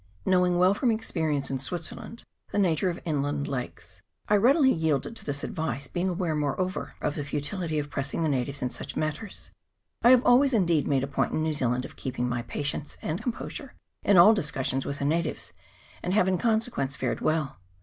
Knowing well from experience in Switzerland the nature of inland lakes, I readily yielded to this advice, being aware, moreover, of the futility of pressing the natives in such matters. I have always indeed made a point in New Zealand of keeping my patience and composure in all discussions with the natives, and have in consequence fared well.